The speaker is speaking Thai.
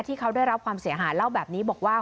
ที่เขาได้รับความเสียหายเล่าแบบนี้บอกว่า